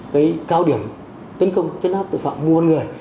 cái cao điểm tấn công chấn áp tội phạm mua bán người